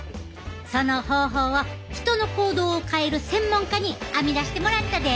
その方法を人の行動を変える専門家に編み出してもらったで。